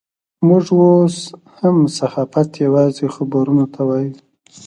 موږ اوس هم صحافت یوازې خبرونو ته وایو.